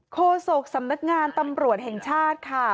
โศกสำนักงานตำรวจแห่งชาติค่ะ